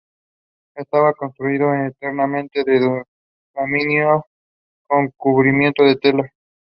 Chrissie is working as an ambulance paramedic.